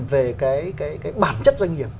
về cái bản chất doanh nghiệp